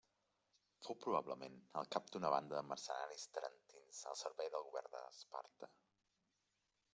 Fou probablement el cap d'una banda de mercenaris tarentins al servei del govern d'Esparta.